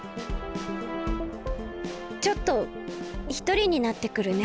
ちょっとひとりになってくるね。